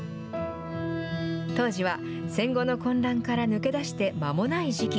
当時は戦後の混乱から抜け出して間もない時期。